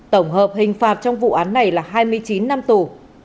tổng hợp hình phạt trong vụ án này là hai mươi chín năm tù